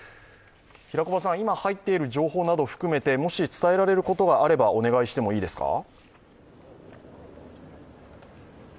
今、入っている情報などを含めて、もし伝えられることがあればお願いしてもいいですか？